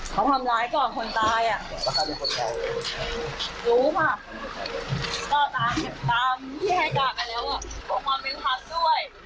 ขอขอบความเป็นธรรมด้วยพี่